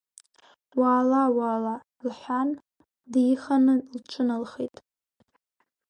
Уаала, уаала, — лҳәан, диханы лҿыналхеит.